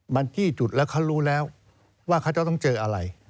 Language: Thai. มันจี้จุดแล้วเขารู้แล้วว่าเขาจะต้องเจออะไร